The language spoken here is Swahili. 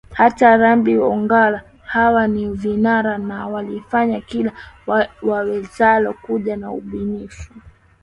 Hata Remmy Ongara hawa ni vinara na walifanya kila wawezalo kuja na ubunifu